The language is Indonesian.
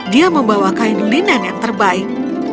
dia membawa kain linen yang terbaik